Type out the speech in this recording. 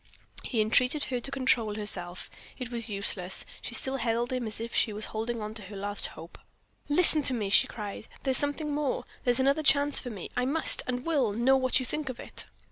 He entreated her to control herself. It was useless, she still held him as if she was holding to her last hope. "Listen to me!" she cried. "There's something more; there's another chance for me. I must, and will, know what you think of it."